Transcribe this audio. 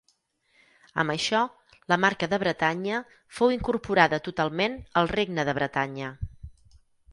Amb això la marca de Bretanya fou incorporada totalment al regne de Bretanya.